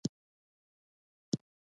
خټکی د بدن قوت زیاتوي.